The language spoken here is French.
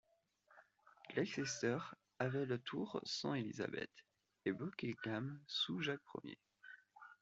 Leicester avait le tour sous Élisabeth, et Buckingham sous Jacques Ier.